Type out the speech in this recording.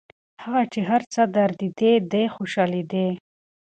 هغه چي هر څه دردېدی دی خوشحالېدی